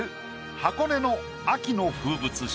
箱根の秋の風物詩。